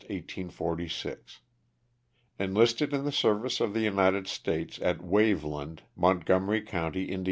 ^ Enlisted in the service of the United States at Waveland, Montgomery county, Ind.